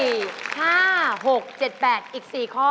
๕๖๗๘อีก๔ข้อ